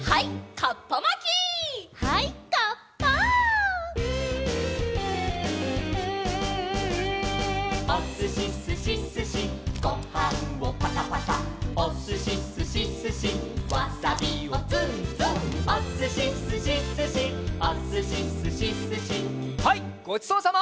はいごちそうさま！